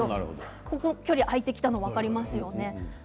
距離が開いてきたのが分かりますよね。